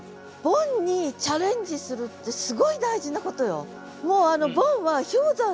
ボンにチャレンジするってすごい大事なことよ。